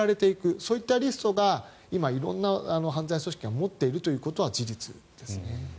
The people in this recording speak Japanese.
そういったリストが今、色んな犯罪組織が持っていることは事実ですね。